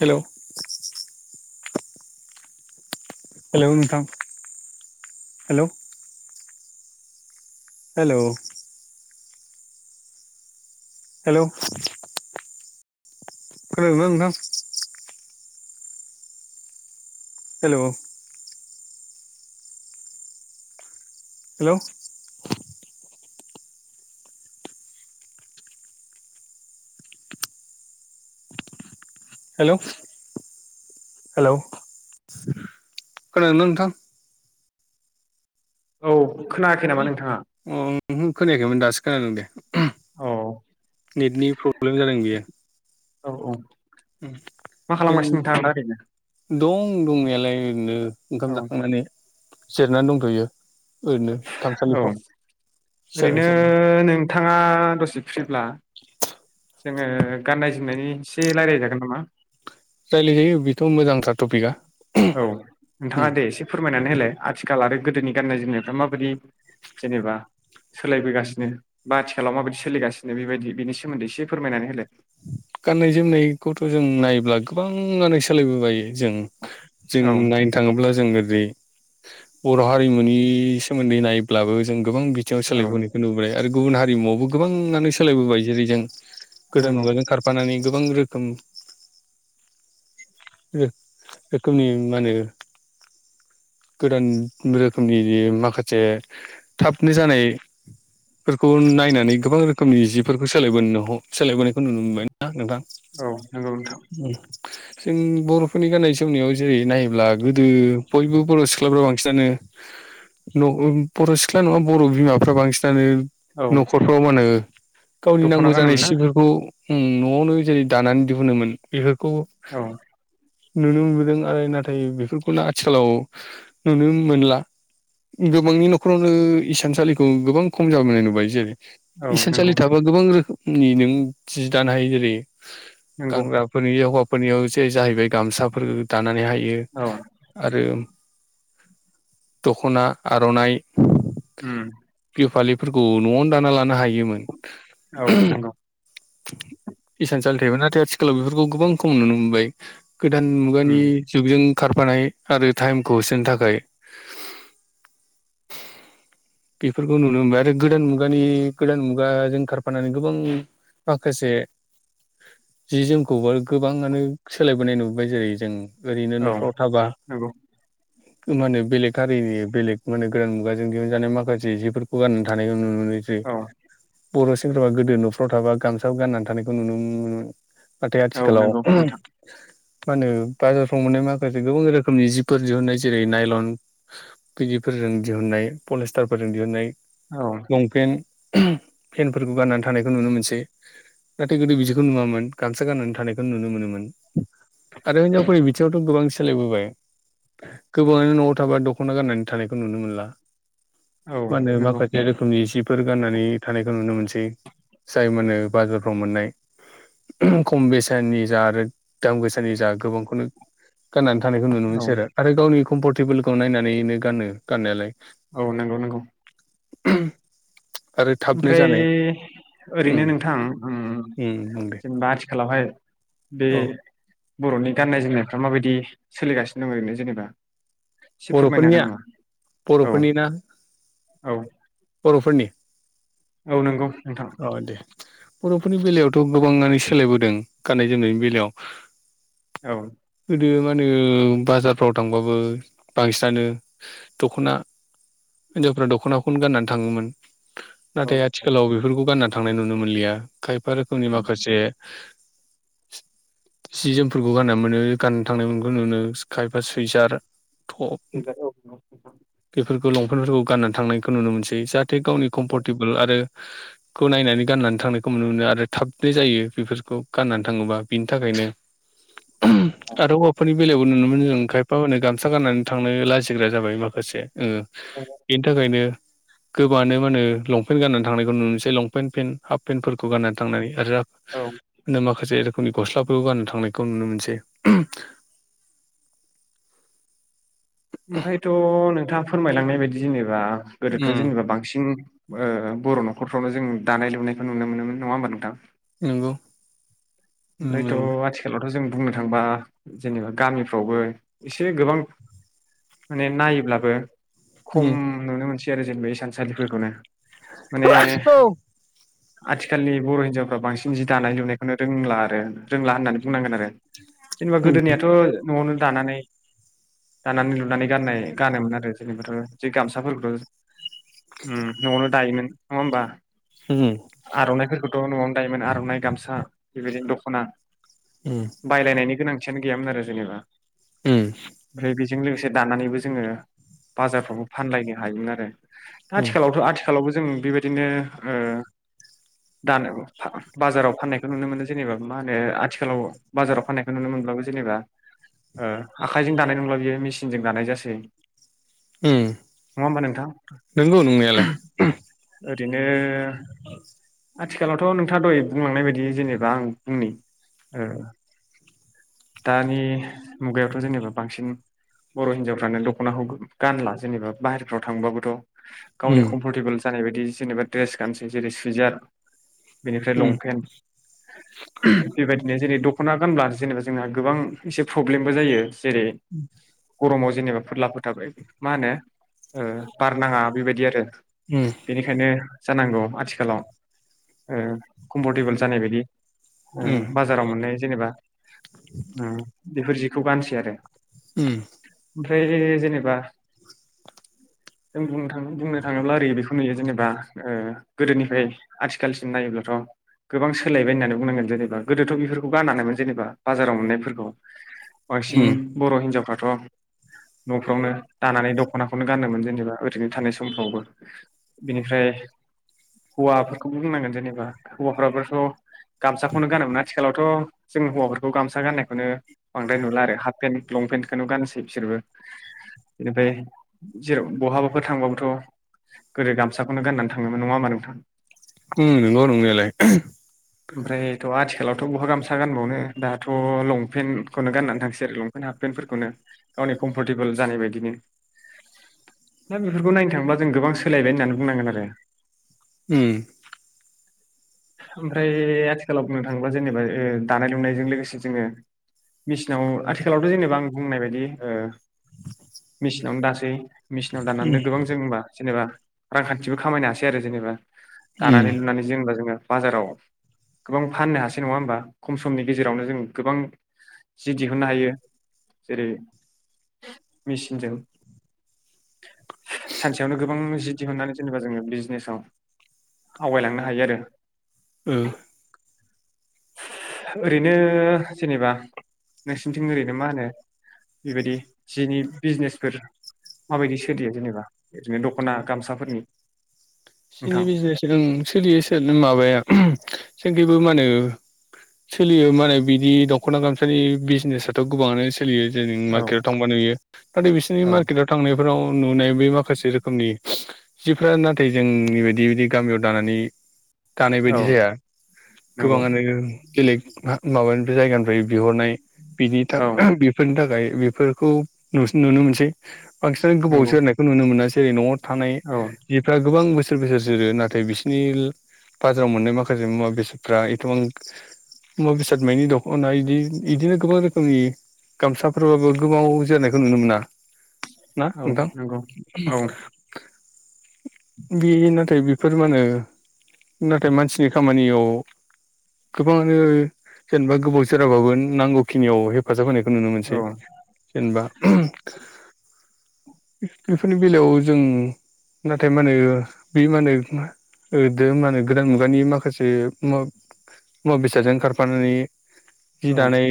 Hello. Hello नोंथां hello. Hello. Hello. खोनादों ना नोंथां। हेलौ। हेलौ। हेलौ। हेलौ खोनादों ना नोंथां। औ खोनायाखै नामा नों? अ ओहो खोनायाखैमोन दासो खोनादों दे। औ नेटनि प्रब्लेम जादों बियो। औ औ। मा जों खालामगासिनो नोंथाङा दा ओरैनो। दं दंनायालाय ओरैनो औ ओंखाम जाखांनानै जिरनानै दंथ'यो। ओरैनो औ। खामसालिफ्राव सियाराव ओरैनो जिरायनानै नोंथाङा दसे फ्रिब्ला जोङो गाननाय जोमनायनि एसे रायजलायजागोन नामा। रायज्लायजायो बेथ' मोजांथार टपिकआ। औ। उम नोंथाङा दे एसे फोरमायनानै होलाय, आथिखाल आरो गोदोनि गाननाय जोमनायफ्रा माबायदि जेनेबा सोलायबोगासिनो बा आथिखालाव माबायदि सोलिगासिनो बेबायदि बिनि सोमोन्दै एसे फोरमायनानै होलाय। गाननाय जोमनायखौथ' जों नायोब्ला गोबाङानो सोलायबोबाय जोंं। जों औ नायनो थाङोब्ला जोङो [unintelligible] बर' हारिमुनि सोमोन्दै नायब्लाबो जों गोबां बिथिङाव औ सोलायबोनायखौ नुबोबाय आरो गुबुन हारिमुवावबो गोबांङानो सोलायबोबाय जेरै जों गोदोन नंगौ मुगाजों खारफानानै गोबां रोखोम एख रोखोमनि माने गोदान रोखोमनि माखासे थाबनो जानाय फोरखौ नायनानै गोबां रोखोमनि जिफोरखौ सोलायबो ह सोलायबोनायखौ नुनो मोनबाय ना नोंथां। औ नंगौ नोंथां जों बर'फोरनि गाननाय जोमनायाव जेरै नायोब्ला गोदो बयबो बर' सिख्लाफ्रा बांसिनानो न बर' सिख्ला नङा बर' बिमाफ्रा बांसिनानो औ न'खरफ्राव मा होनो गावनि दख'ना नांगौ जानाय गानोमोन ना सिफोरखौ उम नवावनो जेरै दानानै दिहुनोमोन, बेफोरखौ औ नुनो मोनबोदों आरो नाथाय बेफोरखौनो आथिखालाव नुनो मोनला। गोबांनि न'खरावनो इसानसालिखौ गोबां खम जाबोनाय नुबाय जे औ । इसानसालि नंगौ थाबा गोबां रोखोमनि नों जि दानो हायो जेरै नंगौ गानग्राफोरनि हौवाफोरनियाव जे जाहैबाय गामसाफोर दानानैहाय [unintelligible] औ आरो दख'ना आर'नाइ उम । बिहु फालिफोरखौ न'आवनो दाना लानो हायोमोन। औ नंगौ। इसानसालि थायोमोन, नाथाय आथिखालाव बेफोरखौ गोबां खम नुनो मोनबाय‌। गोदान उम मुगानि जुगजों खारफानाय आरो टाइमखौ होसोनो थाखाय बेफोरखौ नुनो मोनबाय आरो गोदान मुगानि गोदान मुगाजों खारफानानै गोबां माखासे जि जोमखौबो गोबाङानो सोलायबोनाय नुबोबाय जेरै जों ओरैनो औ न'फ्राव थाबा नंगौ माने बेलेग हारिनि बेलेग माने गोदान मुगाजों दिहुनजानाय मा खासे जि फोरखौ गाननानै थानायखौ नुनोमोनोसै। औ बर' सेंग्राफा गोदो न'फ्राव थाबा गामसा गाननानै थानायखौ नुनो मोनोमोन । नाथाय आथि औ खलाव नंगौ नोंथां मा होनो बाजाराफ्राव मोननाय माखासे गोबां रोखोमनि जिफोर दिहुनाय जेरै नायलन बिदिफोर जों दिहनाय पलेसटारफोरजों दिहुननाय औ लंपेन फेनफोरखौ गाननानै थानायखौ नुनो मोनसै। नाथाय गोदो बिदिखौ नुवामोन गामसा गाननानै थानायखौ नुनो मोनोमोन। आरो हिनजावफोरनि बिथिङाव थ' गोबां सोलायबोबाय। गोबाङानो न'आव थाबा दख'ना गाननानै थानायखौ नुनो मोनला। औ मानो नंगौ माखासे रोखोमनि जि फोर गाननानै थानायखौ नुनो मोनसै। जाय मानो बाजारफ्राव मोननाय। खम बेसननि जा आरो दाम गोसानि जा गोबांखौनो गाननानै थानायखो नुनो औ मोनोसै आरो आरो गावनि कमफरटेबोलखौ नायनानैनो गानो गाननायालाय। औ नंगौ नंगौ । [unintelligible] थाबनो ओमफ्राय जानाय उम ओरैनो नोंथां उम उम बुं दे जेनेबा आथिखालावहाय बे औ बर'नि गाननाय जोमनायफ्रा माबायदि सोलिगासिनो दं ओरैनो जेनेबा? इसे फोरमायनो बर'फोरनिया हागोन नामा? औ बर'फोरनि ना औ । बर'फोरनि? औ नंगौ नोंथां। अ दे बर'फोरनि बेलायावथ' गोबाङानो सोलायबोदों गाननाय जोमनायनि बेलायाव औ। दो माहोनो बाजारफ्राव थांबाबो बांसिनानो दख'ना हिनजावफ्रा दख'नाखौनो गाननानै थाङोमोन। औ नाथाय औ आथिखालाव बेफोरखौ गानना थांनाय नुनो मोनलिया खायफा रोखोमनि माखासे [unintelligible] जि जोमफोरखौ गानना मोनो गाननो थां थांनाय मोनखो नुनो खायफा सुइसार गोगाथाव लंपेनफोरखौ गानना थांनायखौ नुनो मोनसै जाहाथे गावनि कम्फरटेबोल आरो खो नायनानै गाननानै थां थांनायखौ नुनो मोनो आरो थाबनो जायो बेफोरखौ गाननानै थाङोबा बिनि थाखायनो। आरो हौवाफोरनि बेलायावबो नुनो मोनो जों खायफा मा होनो गामसा गामसा गानानै थांनो लाजिग्रा जाबाय माखासे ओ बेनि थाखायनो गोबाङानो मा होनो लंपेन्ट गाननानै थांनायखौ नुनोसै लंपेन पेन्ट हाफ पेनफोरखौ गाननानै थांनानै आरो आफ औ नो माखासे पुनि गस्लाखौ गाननो थांनायखौ नुनो मोनसै। ओमफायथ' नोंथाङा फोरमायलांनाय बायदि जेनेबा गोदोथ' उम जेनेबा बांसिन ओ बर' न'खरफ्रावनो जों दानाय लुनायखो नुनो मोनोमोन नङा होमबा नोंथां। नंगौ। ओमफ्रायथ' आथिखालाव थ' जों बुंनो थांबा जेनेबा गामिफ्रावबो इसे गोबां माने नायोब्लाबो खम नुनो मोनसै आरो जेनेबा इसानसालिफोरखौनो माने आथिखालनि बर' हिनजावफ्रा बांसिन जि दानाय लुनायखोनो रोंला। ओ रोंला होननानै बुंनांगोन आरो जेनेबा गोदोनियाथ' न'आवनो दानानै दानानै लुनानै गाननाय गानोमोन आरो जेनेबाथ' जि गामसाफोरखौ उम न'आवनो दायोमोन नङा होमबा। आर'नाइफोरखौथ' न'आवनो दायोमोन आर'नाइ गामसा बेबायदिनो दख'ना बायलायनायनि गोनांथियानो गैयामोन आरो जेनेबा ओमफ्राय बिजों लोगोसे दानानैबो जोङो बाजारफ्रावबो फानलायनो हायोमोन आरो। दा आथिखालावथ' आथिखालावबो जों बिबायदिनो ओ दानो फा बाजाराव फाननायखो नुनो मोनो जेनेबा मा होनो आथिखालाव बाजाराव फाननायखो नुनो मोनब्लाबो जेनेबा ओ आखाइजों दानाय नंला बियो मेसिनजों दानाय जासै। नङा होमबा नोंथां नंगौ नंनायालाय ओरैनो [unintelligible] आथिखालावथ' नोंथाङा दहय बुंलांनाय बायदि जेनेबा आं बुंनि ओ दानि मुगायावथ' जेनेबा बांसिन बर' हिनजावफ्रानो दख'नाखौ गानला जेनेबा बाहेरफ्राव थांबाबोथ' गावनि कम्फरटेबोल जानाय बायदि जेनेबा ड्रेस गानसै जेरै सुइजार बेनिफ्राय लंपेन्ट बेबायदिनो जेरै दख'ना गानब्ला जेनेबा जोंहा गोबां इसे प्रब्लेमबो जायो। जेरै गरमाव जेनेबा फोरला फोथाबयै मा होनो ओ बारनाङा बेबायदि आरो । बेनिखायनो जानांगौ आथिखालाव ओ कमफरटेबोल जानाय बायदि ओ बाजाराव मोननाय जेनेबा ओ बेफोर जिखौ गानसै आरो। उम ओमफ्राय जेनेबा [inaudible] जों बुंनो थाङो बुंनो थाङोब्ला ओरै बेखौ नुयो जेनेबा ओ गोदोनिफ्राय आथिखालसिम नायोब्लाथ' गोबां सोलायबाय होननानै बुंनांगोन जेनेबा गोदोथ' बेफोरखौ गानानोमोन जेनेबा बाजाराव मोननायफोरखौ बांसिन बर' हिनजावफ्रा थ न'फ्रावनो दानानै दख'नाखौनो गानोमोन जेनेबा ओरैनो थानाय समफ्रावबो बिनिफ्राय [inaudible] हौवाफोरखौबो बुंनांगोन जेनेबा हौवाफ्राबोथ' गामसाखौनो गानोमोन आथिखालावथ' जों हौवाफोरखौ गामसा गाननायखौनो बांद्राय नुला आरो हाफ पेन्ट लंपेन्टखौनो गानसै बिसोरबो बेनिफ्राय जेराव बहाबाफोर थांबाबोथ' गोदो गामसाखौनो गाननानै थाङोमोन नङा होनबा नोंथां उम नंगौ नंनायालाय ओमफ्राय थ' आथिखालावथ' बहा गामसा गानबावनो दाथ' लंपेन्टखौनो गाननानै थांसै आरो लंपेन्ट हाफपेन्टफोरखौनो गावनि कम्फर्टेबोल जानाय बायदिनो हिस [inaudible] दा बेफोरखौ नायनो थाङोबा जों गोबां सोलायबाय होननानै बुंनांगोन आरो उम ओमफ्राय आथिखालाव बुंनो थाङोब्ला जेनेबा ओ दानाय लुनायजों लोगोसे जोङो मिसिनाव आथिखालावथ' जेनेबा आं बुंनाय बायदि ओ मिसिनावनो दासै मेसिनाव उम दाननानै गोबां जों होनबा जेनेबा रांखान्थिबो खामायनो हासै आरो जेनेबा उम दानानै लुनानै जेनेबा जोङो बाजाराव गोबां फाननो हासै नङा होमबा खम समनि गेजेरावनो जों गोबां जि दिहुननो हायो जेरै मिसिनजों सानसेयावनो गोबां जि दिहुननानै जेनेबा जोङो बिजनेसाव आवगायलांनो हायो आरो ओ ओरैनो जेनेबा नोंसिनिथिं ओरैनो मा होनो बेबायदि जिनि बिजनेसफोर माबायदि सोलियो जेनेबा ओरैनो दख'ना गामसाफोरनि सिनि नोंथां बिजनेस ओं सोलियो सोलिनो माबाया ओमि जोनिखैबो मा होनो सोलियो माने बिदि दख'ना गामसानि बिजनेसाथ' गोबाङानो सोलियो जों औ मार्केटआव थांबा नुयो नाथाय बिसोरनि औ मार्केटआव थांनायफोराव नुनाय बे माखासे रोखोमनि जिफोरा नाथाय जो जोंनि बायदि बिदि गामियाव दानानै दानाय औ बायदि जाया नंगौ गोबाङानो गेलेक माबानिफ्राय जायगानिफ्राय बिहरनाय बिनि था औ बेफोरनि थाखाय बेफोरखौ नुनो मोनसै बांसिनानो गोबाव नंगौ जोरनायखौ नुनो मोनासै न'आव थानाय औ जिफ्रा गोबां बोसोर-बोसोर जोरो नाथाय बिसोरनि बाजाराव मोननाय माखासे मुवा बेसादफ्रा एथबां मुवा बेसाद मानि दखना बिदि इदिनो गोबां रोखोमनि गामसाफोरबाबो गोबाव जोरनायखौ नुनो मोना ना औ नोंथां नंगौ औ बे नाथाय बेफोर मा होनो नाथाय मानसिनि खामानियाव गोबाङानो जेनेबा गोबाव सोराबाबो नांगौखिनियाव हेफाजाब होनायखौ खौ नुनो मोनसै औ जेनेबा हम बेफोरनि बेलायाव जों ना नाथाय मा होनो बे माहोनो मा ओ दो गोदान मुगानि माखासे म मुवा बेसादाजों खारफानानै जि दानाय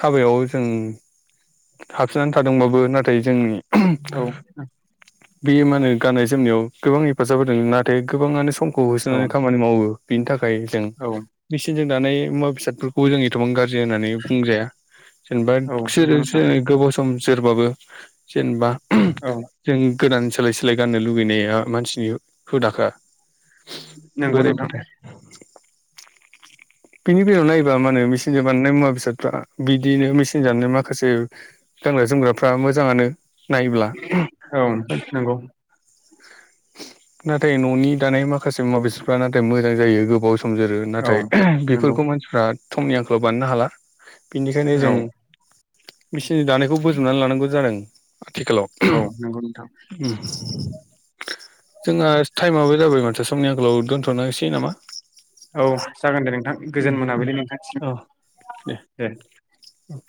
हाबायाव जों हाबसोनानै थादोंबाबो नाथाय जोंनि औ बेयो मा होनो गाननाय जोमनायाव गोबां हेफाजाब होदों नाथाय गोबाङानो समखौ होसोनानै खामानि मावो। बेनि थाखाय जों औ मेसिनजों दानाय मुवा बेसादफोरखौ जों एथबां गाज होननानै बुंजाया जेनेबा औ नंगौ खुसेरसो नोंथां गोबाव सम सोरबाबो जेनेबा औ जों गोदान सोलाय स सोलाय गाननो लुुबैनाया मानसिनि हुदाखा नोंगौ नोंथां बोरायबाथाय बिनि बेलायाव नायोबा माहोनो मेचनजों बानायनाय मुवा बेसादफ्रा बिदिनो मेचन जानाय माखासे गानग्रा जोमग्राफ्रा मोजाङानो नायोब्ला औ नंगौ नाथाय न'नि दानाय माखासे मुवा बेसादफ्रा नाथाय मोजां जायो गोबाव सम थोमजोरो औ नाथाय नंगौ बेफोरखौ मानसिफ्रा थमनि आंखालाव बानायनो हाला। बेनिखायनो औ जों बिसिनि दानायखौ बोजोबनानै लानांगौ जादों। आथिखालाव औ नंगौ नोंथां जोंहा टाइमाबो जाबाय माथो समनि आंगोलाव दोन्थ'नोसै नामा? औ जागोन दे नोंथां गोजोन मोनाबिलि नोंथांसिम दे। औ